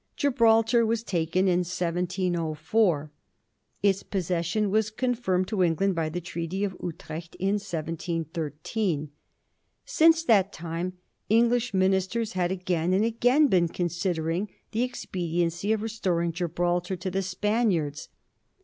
Gibraltar was taken in 1704 ; its possession was con firmed to England by the Treaty of Utrecht in 1713. Since that time English ministers had again and again been considering the expediency of restoring Gibraltar to the Spaniards.